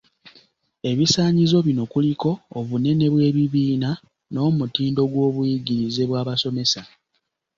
Ebisaanyizo bino kuliko; obunene bw’ebibiina n'omutindo gw’obuyigirize bw’abasomesa.